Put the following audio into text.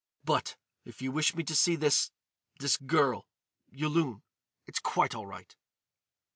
But—if you wish me to see this—this girl—Yulun—it's quite all right."